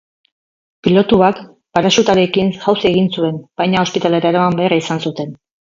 Pilotuak paraxutarekin jauzi egin zuen, baina ospitalera eraman behar izan zuten.